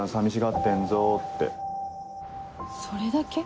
それだけ？